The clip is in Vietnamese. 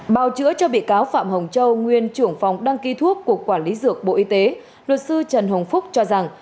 bào chữa cho bị cáo phạm hồng châu nguyên trưởng phòng đăng ký thuốc cục quản lý dược bộ y tế luật sư trần hồng phúc cho rằng